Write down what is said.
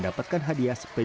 jawa tenggul chunkus yang mati